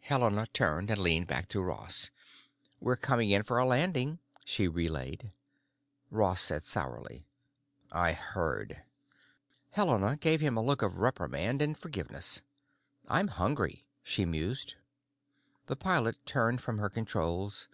Helena turned and leaned back to Ross. "We're coming in for a landing," she relayed. Ross said sourly, "I heard." Helena gave him a look of reprimand and forgiveness. "I'm hungry," she mused. The pilot turned from her controls.